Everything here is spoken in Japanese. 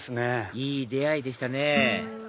いい出会いでしたね